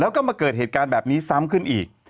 แล้วก็มาเกิดเหตุการณ์แบบนี้ซ้ำขึ้นอีก